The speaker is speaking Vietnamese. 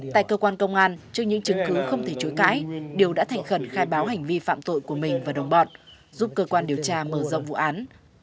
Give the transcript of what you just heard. tại cơ quan công an trước những chứng cứ không thể chối cãi điều đã thành khẩn khai báo hành vi phạm tội của mình và đồng bọn giúp cơ quan điều tra mở rộng vụ án